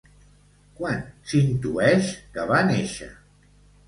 Quan s'intueix que va néixer?